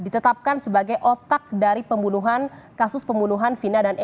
kenapa paul kembali untuk berjalan